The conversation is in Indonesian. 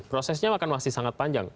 prosesnya akan masih sangat panjang